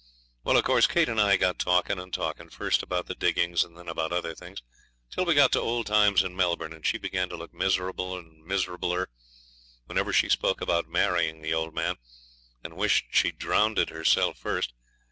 Well, of course, Kate and I got talkin' and talkin', first about the diggings, and then about other things, till we got to old times in Melbourne, and she began to look miserable and miserabler whenever she spoke about marrying the old man, and wished she'd drownded herself first.